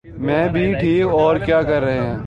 میں بھی ٹھیک۔ اور کیا کر رہے ہیں؟